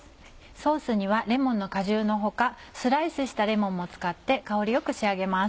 ソースにはレモンの果汁の他スライスしたレモンも使って香り良く仕上げます。